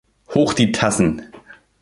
Hoch die Tassen!